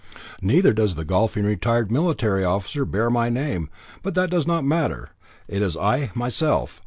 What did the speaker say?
"Neither does the golfing retired military officer bear my name, but that does not matter. It is I myself.